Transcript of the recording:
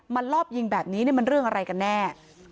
ลอบยิงแบบนี้มันเรื่องอะไรกันแน่